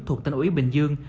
thuộc tên ủy bình dương